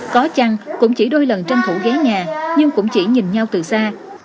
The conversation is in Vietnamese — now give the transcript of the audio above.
có chăng cũng chỉ đôi lần tranh thủ ghế nhà nhưng cũng chỉ nhìn nhau từ xa